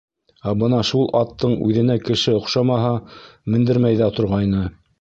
Ә бына шул аттың үҙенә кеше оҡшамаһа, мендермәй ҙә торғайны.